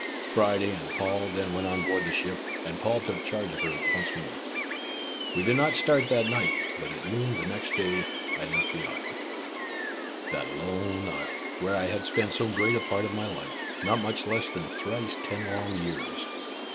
Friday and Paul then went on board the ship, and Paul took charge of her once more. We did not start that night, but at noon the next day I left the isle! That lone isle, where I had spent so great a part of my life not much less than thrice ten long years.